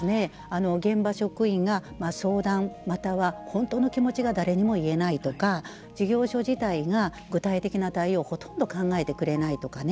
現場職員が相談、または本当の気持ちが誰にも言えないとか事業所自体が具体的な対応をほとんど考えてくれないとかね。